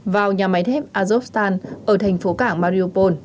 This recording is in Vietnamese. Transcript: vào nhà máy thép azovstan ở thành phố cảng mariupol